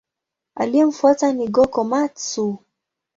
Aliyemfuata ni Go-Komatsu.